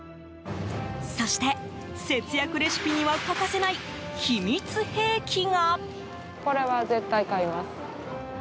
そして、節約レシピには欠かせない秘密兵器が。